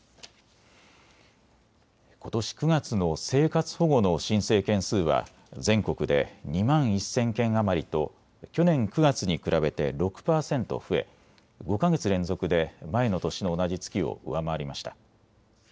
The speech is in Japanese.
ことし９月の生活保護の申請件数は全国で２万１０００件余りと去年９月に比べて６％増え５か月連続で前の年の同じ月を上回りました。